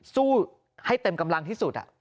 สู้ให้เต็มกำลังที่สุด